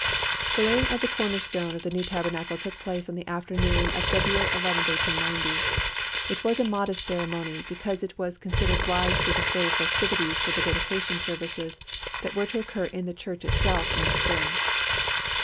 The laying of the corner stone of the new Tabernacle took place on the afternoon of February 11, 1890. It was a modest ceremony because it was considered wise to defer the festivities for the dedication services that were to occur in the church itself in the spring.